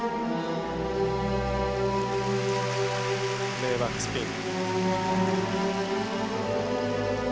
レイバックスピン。